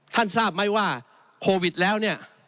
ทราบไหมว่าโควิดแล้วเนี่ย